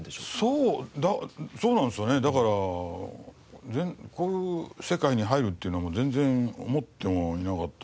そうそうなんですよねだからこういう世界に入るっていうのも全然思ってもいなかったです。